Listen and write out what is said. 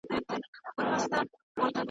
پل غوندي بې سترګو یم ملګری د کاروان یمه .